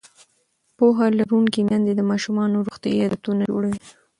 پوهه لرونکې میندې د ماشومانو روغتیایي عادتونه جوړوي.